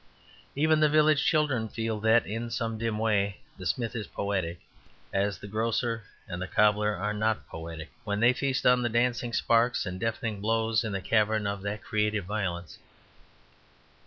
Even the village children feel that in some dim way the smith is poetic, as the grocer and the cobbler are not poetic, when they feast on the dancing sparks and deafening blows in the cavern of that creative violence.